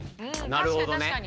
なるほどね。